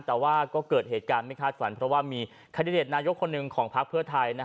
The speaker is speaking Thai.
แต่ว่าก็เกิดเหตุการณ์ไม่คาดฝันเพราะว่ามีแคนดิเดตนายกคนหนึ่งของพักเพื่อไทย